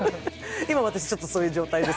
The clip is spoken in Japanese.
今私、ちょっとそういう状態です。